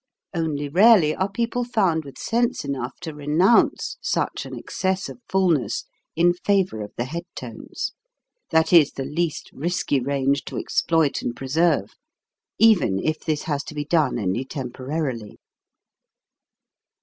Only rarely are people found with sense enough to renounce such an excess of fulness in favor of the head tones, that is, the least risky range to exploit and preserve, even if this has to be done only temporarily.